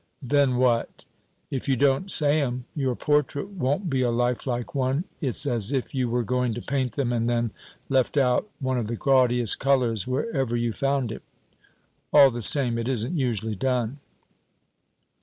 Then what? If you don't say 'em, your portrait won't be a lifelike one it's as if you were going to paint them and then left out one of the gaudiest colors wherever you found it. All the same, it isn't usually done."